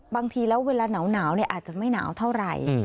บางทีแล้วเวลาหนาวอาจจะไม่หนาวเท่าไหร่